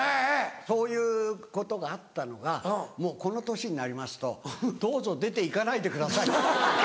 そういうことがあったのがもうこの年になりますと「どうぞ出て行かないでください」。